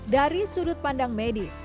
dari sudut pandang medis